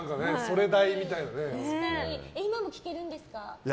今も聞けるんですか？